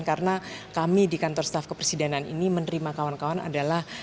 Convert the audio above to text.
karena kami di kantor staf kepresidenan ini menerima kawan kawan adalah